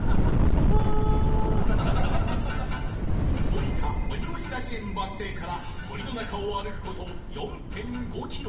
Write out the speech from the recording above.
降りた鬼押出し園バス停から森の中を歩く事 ４．５ キロ